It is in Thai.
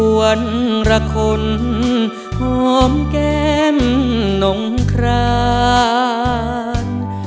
วันละคนหอมแก้มนงคราน